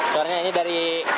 soalnya ini dari